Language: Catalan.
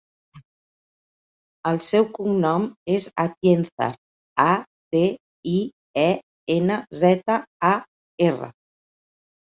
El seu cognom és Atienzar: a, te, i, e, ena, zeta, a, erra.